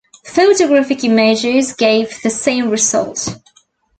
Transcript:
Photographic images gave the same result.